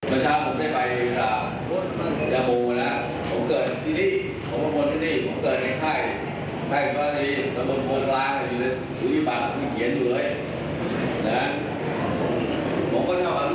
โอเคครับผมตอนเช้านี้ผมว่าเขาเชิญไปรอตรงพอบอกว่าท่านตำเลนส์จะได้เด็กเผยครัวราช